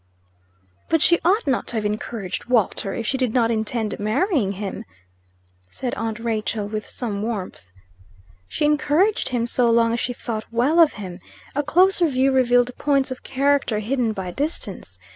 "But she ought not to have encouraged Walter, if she did not intend marrying him," said aunt Rachel, with some warmth. "She encouraged him so long as she thought well of him. A closer view revealed points of character hidden by distance.